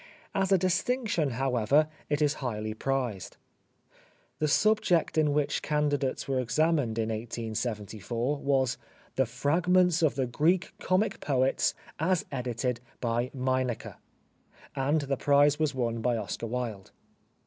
As a distinction, however, it is highly prized. The subject in which candidates were examined in 1874 was " The Fragments of the Greek Comic Poets, as edited by Meineke," and the prize was won by Oscar Wilde.